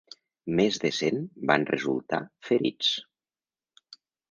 Més de cent van resultar ferits.